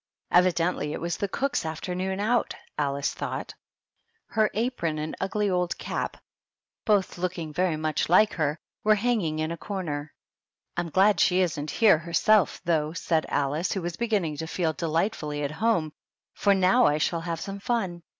Evidently it was the cook's afternoon out, Alice thought ;* her apron and ugly old cap, both looking very much like her, were hanging in a corner. " I'm glad she isn't here herself, though," said Alice, who was beginning to feel delightfully at home, " for now I shall have some fun.